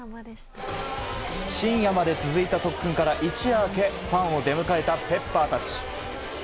深夜まで続いた特訓から一夜明けファンを出迎えたＰｅｐｐｅｒたち。